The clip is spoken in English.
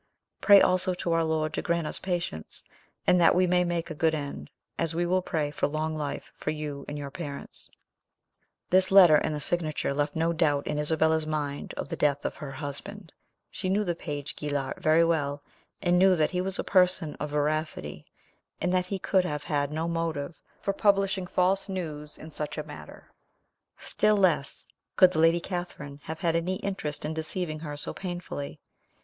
Pray also to our Lord to grant us patience, and that we may make a good end; as we will pray for long life for you and your parents." This letter and the signature left no doubt in Isabella's mind of the death of her husband. She knew the page Guillart very well, and knew that he was a person of veracity, and that he could have had no motive for publishing false news in such a matter; still less could the lady Catharine have had any interest in deceiving her so painfully.